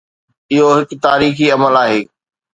اهو هڪ تاريخي عمل آهي.